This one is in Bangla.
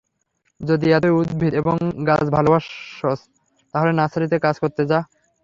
যদি এতই উদ্ভিদ এবং গাছ ভালবাসোস তাহলে নার্সারিতে কাজ করতে যা।